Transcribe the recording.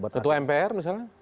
ketua mpr misalnya